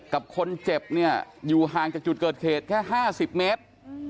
กับคนเจ็บเนี่ยอยู่ห่างจากจุดเกิดเหตุแค่๕๐เมตร